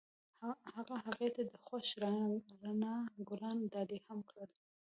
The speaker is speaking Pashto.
هغه هغې ته د خوښ رڼا ګلان ډالۍ هم کړل.